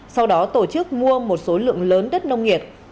sau đó tổ chức mua một số lượng lớn đất nông nghiệp